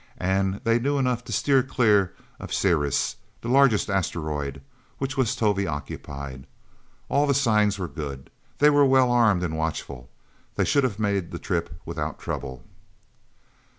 And they knew enough to steer clear of Ceres, the largest Asteroid, which was Tovie occupied. All the signs were good. They were well armed and watchful. They should have made the trip without trouble.